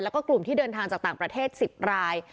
แล้วก็กลุ่มที่เดินทางจากต่างประเทศ๑๐ราย